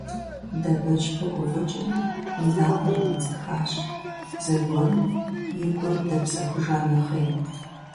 Дэбэч пыгуфӀыкӀри, и напӀэр иридзыхащ, зыгуэрым и гур дэпсэхужа нэхъей.